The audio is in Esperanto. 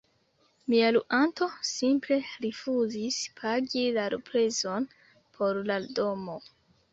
mia luanto simple rifuzis pagi la luprezon por la domo